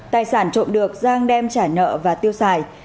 tài sản trộm được giang đem trả nợ và tiêu xài